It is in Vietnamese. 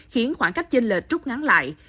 khiến khoảng cách trên lệch trút ngắn lại